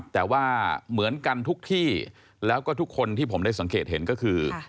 แต่ว่าเหมือนกันทุกที่แล้วก็ทุกคนที่ผมได้สังเกตเห็นก็คือ